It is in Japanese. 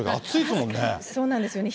そうなんですよね。